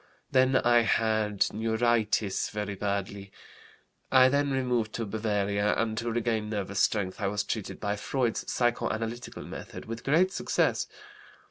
Then I had neuritis very badly. I then removed to Bavaria, and to regain nervous strength I was treated by Freud's psychoanalytical method, with great success.